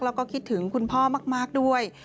แล้วก็คิดถึงคุณพ่อมากด้วย